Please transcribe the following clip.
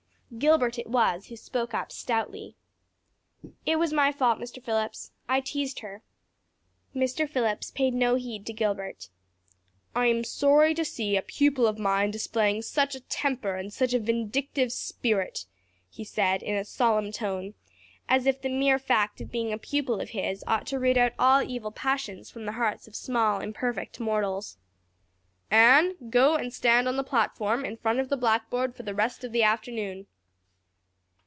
Gilbert it was who spoke up stoutly. "It was my fault Mr. Phillips. I teased her." Mr. Phillips paid no heed to Gilbert. "I am sorry to see a pupil of mine displaying such a temper and such a vindictive spirit," he said in a solemn tone, as if the mere fact of being a pupil of his ought to root out all evil passions from the hearts of small imperfect mortals. "Anne, go and stand on the platform in front of the blackboard for the rest of the afternoon."